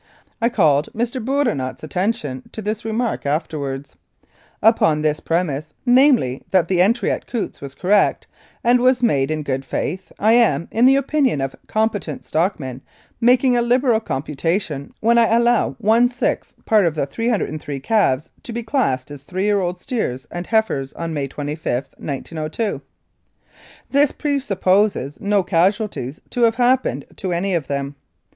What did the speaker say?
I called Mr. Bourinot's attention to this remark afterwards. Upon this premise, namely, that the entry at Coutts was correct, and was made in good faith, I am, in the opinion of competent stockmen, making a liberal computation when I allow one sixth part of the 303 calves to be classed as three year old steers and heifers on May 25, 1902. "This pre supposes no casualties to have happened to any of them.